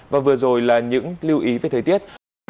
và vừa rồi là những lưu ý về thời tiết